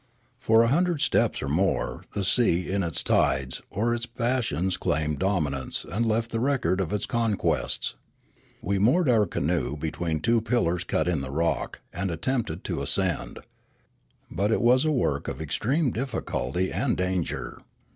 For a hundred steps or more the sea in its tides or its passions claimed dominance and left the record of its conquests. We moored our canoe between two pillars cut in the rock, and attempted to ascend. But it was a work of extreme difficulty and danger.